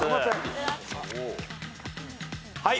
はい。